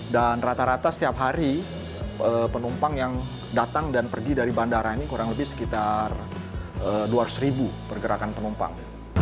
dan rata rata setiap hari penumpang yang datang dan pergi dari bandara ini kurang lebih sekitar dua ratus pergerakan penumpang